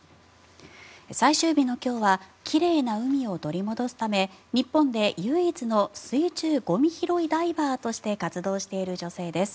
最終日の今日は奇麗な海を取り戻すため日本で唯一の水中ゴミ拾いダイバーとして活動している女性です。